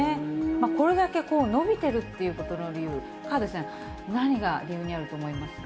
これだけ伸びてるっていうことの理由、河出さん、何が理由にあると思いますか。